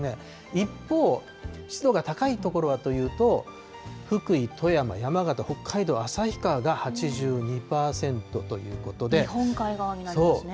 一方、湿度が高い所はというと、福井、富山、山形、北海道、旭川日本海側になりますね。